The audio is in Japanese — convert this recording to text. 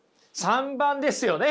３番ですよね！